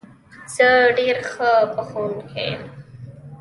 زه ډېر ښه پخوونکی یم